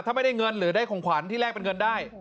ถ้าไม่ได้เงินหรือได้ของขวัญที่แรกเป็นเงินได้